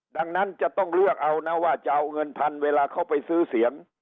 ดังนั้นจะต้องเลือกเอานะว่าจะเอาเงินทันเวลาเขาไปซื้อเสียง